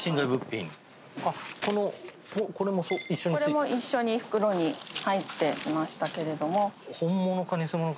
これも一緒に袋に入っていましたけれども。